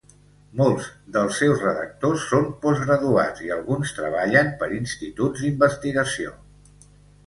Molts dels seus redactors són postgraduats i alguns treballen per instituts d'investigació.